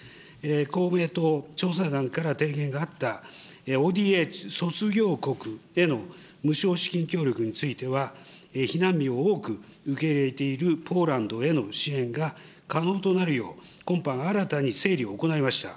公明党調査団から提言があったＯＤＡ卒業国への無償資金協力については、避難民を多く受け入れているポーランドへの支援が可能となるよう、今般新たに整理を行いました。